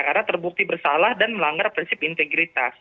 karena terbukti bersalah dan melanggar prinsip integritas